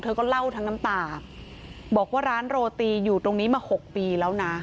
ก็เล่าทั้งน้ำตาบอกว่าร้านโรตีอยู่ตรงนี้มา๖ปีแล้วนะ